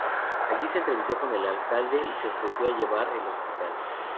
Allí se entrevistó con el alcalde y se ofreció a llevar el hospital.